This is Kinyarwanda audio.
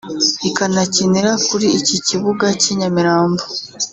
ikanakinira kuri iki kibuga cy’i Nyamirambo